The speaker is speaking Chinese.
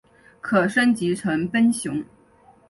可升级成奔熊。